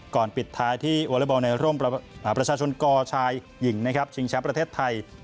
ก่อนปิดท้ายที่อลเลอร์บอลในร่มประชาชนกชายหญิงชิงแชมประเทศไทย